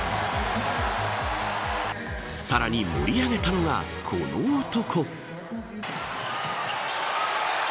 さらに盛り上げたのが、この男。